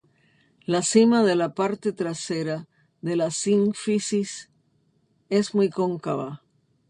La cima de la parte trasera de la sínfisis es muy cóncava.